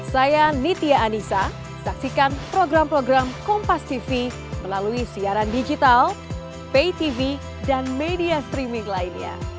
saya nitya anissa saksikan program program kompastv melalui siaran digital paytv dan media streaming lainnya